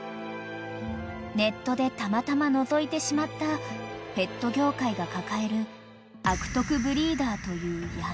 ［ネットでたまたまのぞいてしまったペット業界が抱える悪徳ブリーダーという闇］